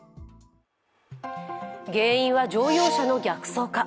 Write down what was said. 原因は乗用車の逆走か。